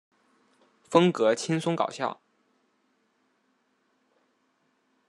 风格轻松搞笑。